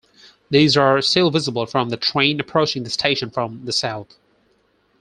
These are still visible from the train approaching the station from the south.